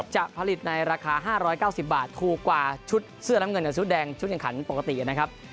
จะผลิตในราคา๕๙๐บาทถูกกว่าชุดเสื้อน้ำเงินกับชุดแดงชุดแข่งขันปกตินะครับ